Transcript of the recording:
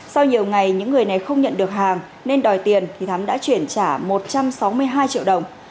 sau nhiều ngày những người này không nhận được hàng nên đòi tiền thì thắm đã chuyển trả một trăm sáu mươi hai triệu đồng